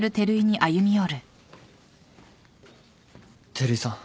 照井さん。